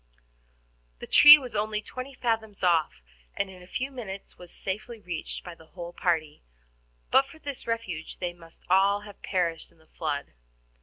The tree was only twenty fathoms off, and in a few minutes was safely reached by the whole party; but for this refuge they must all have perished in the flood.